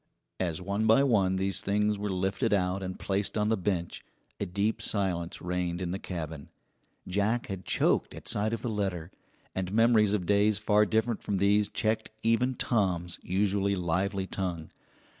As one by one these things were lifted out and placed on the bench a deep silence reigned in the cabin. Jack had choked at sight of the letter, and memories of days far different from these checked even Tom's usually lively tongue.